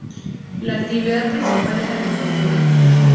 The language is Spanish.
La actividad principal es la Agricultura.